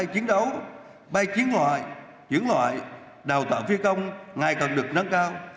bay chiến đấu bay chiến loại chuyến loại đào tạo phi công ngay cần được nâng cao